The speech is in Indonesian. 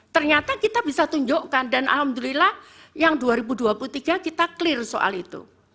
ternyata kita bisa tunjukkan dan alhamdulillah yang dua ribu dua puluh tiga kita clear soal itu